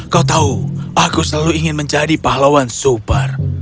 kau tahu aku selalu ingin menjadi pahlawan super